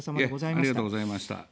いえ、ありがとうございました。